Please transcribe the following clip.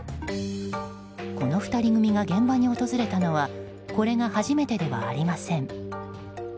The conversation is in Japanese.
この２人組が現場に訪れたのはこれが初めてではありません。